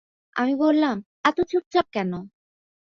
আমি বললাম, এত চুপচাপ কেন?